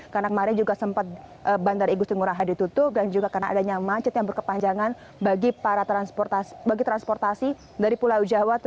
karena kemarin juga sempat bandar igu singuraha ditutup dan juga karena adanya macet yang berkepanjangan bagi transportasi dari pulau jawa